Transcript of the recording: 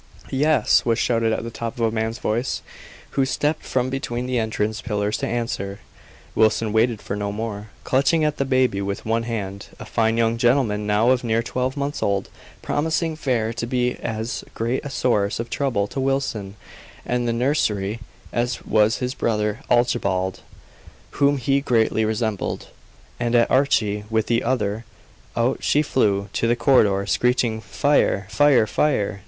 "Yes!" was shouted at the top of a man's voice, who stepped from between the entrance pillars to answer. Wilson waited for no more. Clutching at the baby with one hand a fine young gentleman now of near twelve months old, promising fair to be as great a source of trouble to Wilson and the nursery as was his brother Archibald, whom he greatly resembled and at Archie with the other, out she flew to the corridor screeching "Fire! fire! fire!"